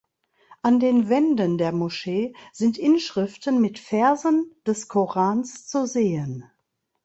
An den Wänden der Moschee sind Inschriften mit Versen des Korans zu sehen.